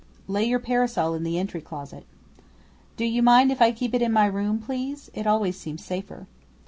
"Lay your parasol in the entry closet." "Do you mind if I keep it in my room, please? It always seems safer."